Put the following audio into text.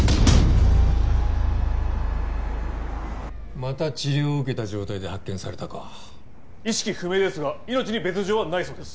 また治療を受けた状態で発見されたか意識不明ですが命に別状はないそうです